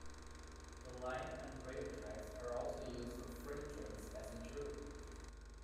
The line and rail tracks are also used for freight trains passing through.